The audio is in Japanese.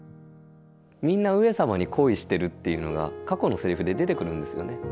みんな上様に恋しているっていうのが過去のセリフで出てくるんですよね。